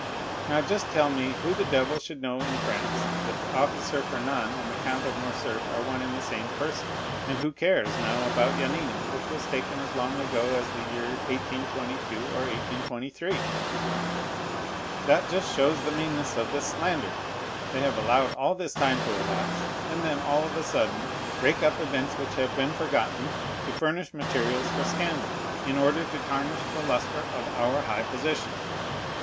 "Now, just tell me who the devil should know in France that the officer Fernand and the Count of Morcerf are one and the same person? and who cares now about Yanina, which was taken as long ago as the year 1822 or 1823?" "That just shows the meanness of this slander. They have allowed all this time to elapse, and then all of a sudden rake up events which have been forgotten to furnish materials for scandal, in order to tarnish the lustre of our high position.